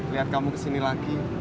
liat kamu kesini lagi